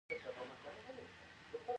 مصنوعي ځیرکتیا د انساني احساساتو انځور بدلوي.